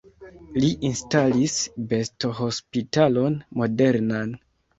Li instalis bestohospitalon modernan.